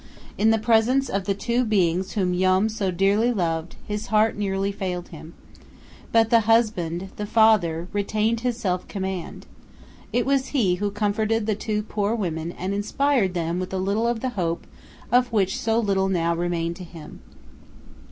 In the presence of the two beings whom Joam so dearly loved his heart nearly failed him. But the husband the father retained his self command. It was he who comforted the two poor women and inspired them with a little of the hope of which so little now remained to him.